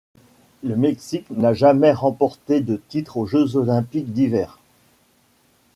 Le Mexique n'a jamais remporté de titre aux Jeux olympiques d'hiver.